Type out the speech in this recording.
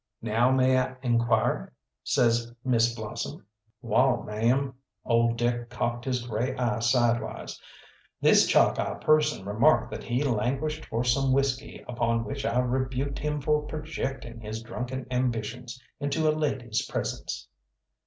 "Now may I inquire?" says Miss Blossom. "Wall, ma'am" old Dick cocked his grey eye sideways "this Chalkeye person remarked that he languished for some whisky, upon which I rebuked him for projecting his drunken ambitions into a lady's presence."